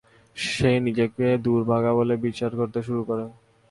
সে নিজেকে দুর্ভাগা বলে বিশ্বাস করতে শুরু করে।